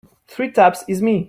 Three taps is me.